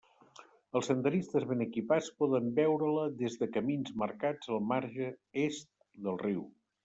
Els senderistes ben equipats poden veure-la des de camins marcats al marge est del riu.